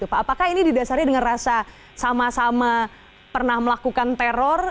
apakah ini didasari dengan rasa sama sama pernah melakukan teror